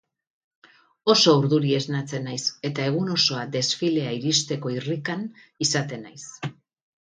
Oso urduri esnatzen naiz eta egun osoa desfilea iristeko irrikan izaten naiz.